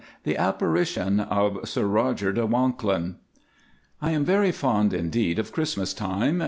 The Apparition of Sir Rodger de Wanklyn. I am very fond indeed of Christmas time.